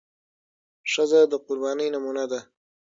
ښځه د قربانۍ نمونه ده.